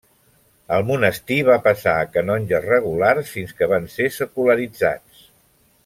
El monestir va passar a canonges regulars fins que van ser secularitzats.